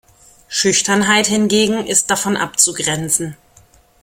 Schüchternheit hingegen ist davon abzugrenzen.